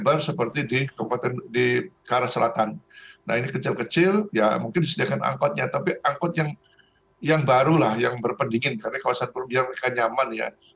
berbadan hukum sehingga mudah dikendalikan